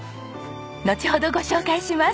のちほどご紹介します。